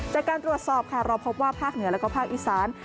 จากการตรวจสอบค่ะเราพบว่าภาคเหนือแล้วก็ภาคอีสาน